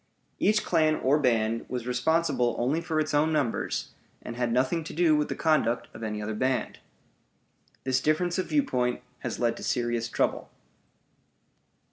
Each clan or band was responsible only for its own members, and had nothing to do with the conduct of any other band. This difference of viewpoint has led to serious trouble.